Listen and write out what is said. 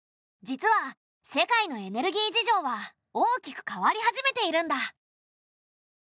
実は世界のエネルギー事情は大きく変わり始めているんだ。